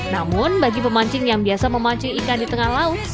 namun bagi pemancing yang biasa memancing ikan di tengah laut